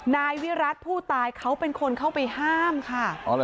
นายวิรัติผู้ตายเขาเป็นคนเข้าไปห้ามค่ะ